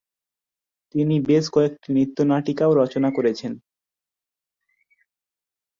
তিনি বেশ কয়েকটি নৃত্য-নাটিকাও রচনা করেছেন।